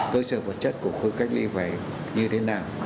cơ sở vật chất của khu cách ly này như thế nào